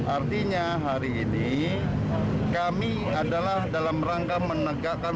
artinya hari ini kami adalah dalam rangka menegakkan